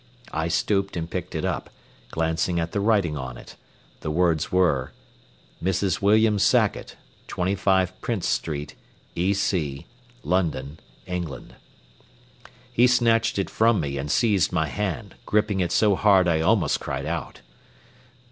I stooped and picked it up, glancing at the writing on it. The words were: Mrs. William Sackett, 25 Prince St., E.C., London, Eng. He snatched it from me and seized my hand, gripping it so hard I almost cried out.